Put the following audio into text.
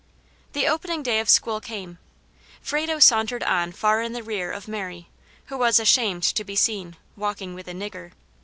The opening day of school came. Frado sauntered on far in the rear of Mary, who was ashamed to be seen "walking with a nigger."